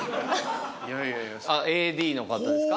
いやいやＡＤの方ですか？